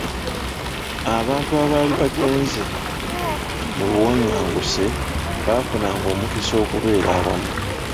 Abantu abaali bagenze mu buwanganguse bafunanga omukisa okubeera awamu .